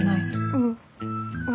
うん。